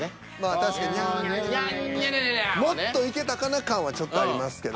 もっといけたかな感はちょっとありますけど。